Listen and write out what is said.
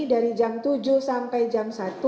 dari jam tujuh sampai jam satu